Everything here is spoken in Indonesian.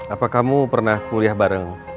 apa kamu pernah kuliah bareng